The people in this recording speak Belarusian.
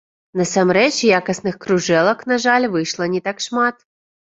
Насамрэч якасных кружэлак, на жаль, выйшла не так шмат.